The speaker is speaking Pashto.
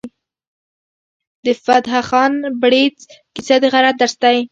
د فتح خان بړیڅ کیسه د غیرت درس دی.